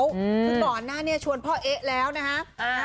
คือก่อนหน้านี้ชวนพ่อเอ๊ะแล้วนะฮะ